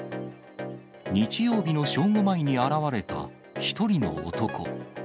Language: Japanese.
日曜日の正午前に現れた１人の男。